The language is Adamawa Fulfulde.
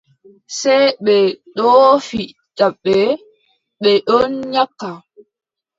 Sey ɓe ɗoofi jabbe, ɓe ɗon nyakka.